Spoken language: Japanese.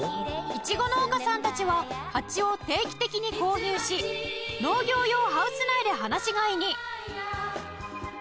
イチゴ農家さんたちはハチを定期的に購入し農業用ハウス内で放し飼いに